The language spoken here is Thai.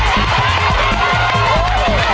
ต่อเร็วครับ